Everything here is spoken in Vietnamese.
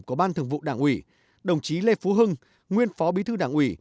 của ban thường vụ đảng ủy đồng chí lê phú hưng nguyên phó bí thư đảng ủy